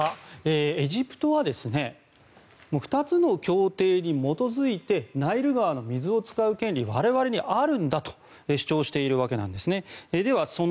エジプトは２つの協定に基づいてナイル川の水を使う権利が我々にあるんだと主張しているわけなんです。